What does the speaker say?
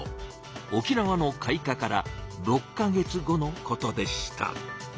沖縄の開花から６か月後のことでした。